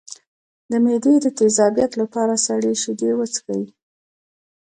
د معدې د تیزابیت لپاره سړې شیدې وڅښئ